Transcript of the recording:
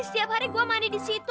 setiap hari gue mandi di situ